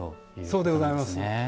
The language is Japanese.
そうでございます。